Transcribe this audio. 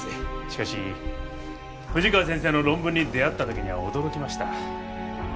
しかし富士川先生の論文に出会った時には驚きました。